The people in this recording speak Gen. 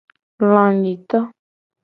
Lanyito.